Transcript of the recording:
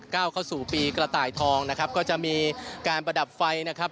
เข้าสู่ปีกระต่ายทองนะครับก็จะมีการประดับไฟนะครับ